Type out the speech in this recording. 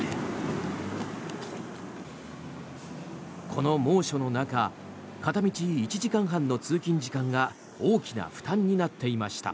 この猛暑の中片道１時間半の通勤時間が大きな負担になっていました。